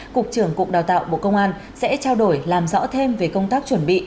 cục trưởng cục đào tạo bộ công an sẽ trao đổi làm rõ thêm về công tác chuẩn bị